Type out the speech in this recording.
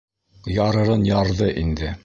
Ярырын ярҙы инде.